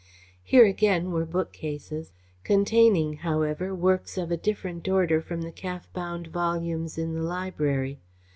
Here, again, were bookcases, containing, however, works of a different order from the calf bound volumes in the library.